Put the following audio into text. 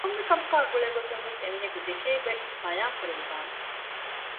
ކޮންމެ ކަމަކާ ގުޅޭ ގޮތުންވެސް އެމީހަކު ދެކޭގޮތް ބަޔާން ކުރެވިދާނެ